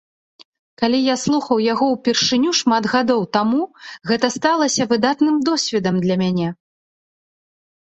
Калі я слухаў яго ўпершыню шмат гадоў таму, гэта сталася выдатным досвед для мяне.